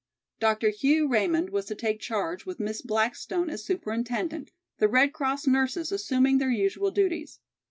Dr. Hugh Raymond was to take charge with Miss Blackstone as superintendent, the Red Cross nurses assuming their usual duties.